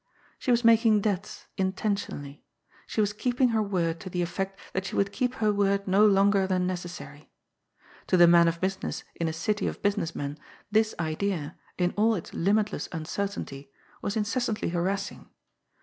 She was making debts, intentionally. She was keeping her word to the effect that she would keep her woi d no longer than necessary. To the man of business in a city of busi ness men, this idea, in all its limitless uncertainty, was in cessantly harassing.